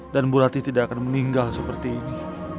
dan bu rati tidak akan meninggal seperti ini